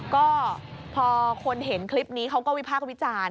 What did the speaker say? ก็พอคนเห็นคลิปนี้เขาก็วิพากษ์วิจารณ์